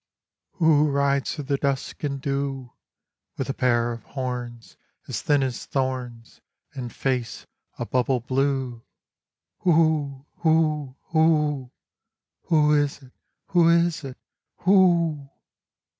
Who rides through the dusk and dew, With a pair of horns, As thin as thorns, And face a bubble blue? Who, who, who! Who is it, who is it, who?"